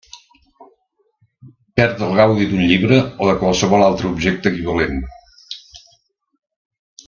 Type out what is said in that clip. Perd el gaudi d'un llibre o de qualsevol altre objecte equivalent.